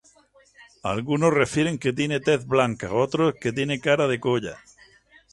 Algunos refieren que tiene tez blanca, otros, que tiene cara de colla.